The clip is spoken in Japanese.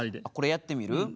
あっこれやってみる？